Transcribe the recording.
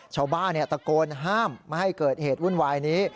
ชาวบ้านตะโกนห้ามไม่ให้เกิดเหตุวุ่นวายนี้